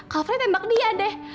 kak fre tembak dia deh